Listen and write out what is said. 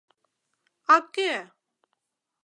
А кӧ?